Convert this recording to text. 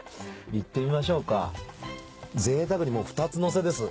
いってみましょうかぜいたくに２つのせです。